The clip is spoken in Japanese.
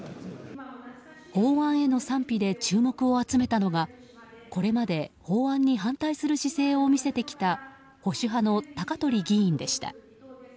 法案への賛否で注目を集めたのがこれまで法案に反対する姿勢を見せてきた保守派の高鳥議員でした。